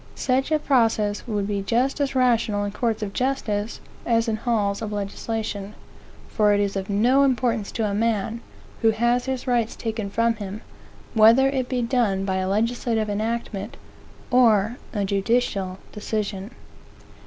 Such a. process would be just as rational in courts of justice, as in halls of legislation; for it is of no importance to a man, who has his rights taken from him, whether it be done by a legislative enactment, or a judicial decision.